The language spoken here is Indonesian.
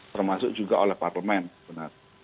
termasuk juga oleh parlemen sebenarnya